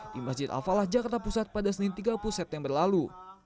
di masjid al falah jakarta pusat pada senin tiga puluh september lalu